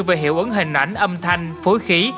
về hiệu ứng hình ảnh âm thanh phối khí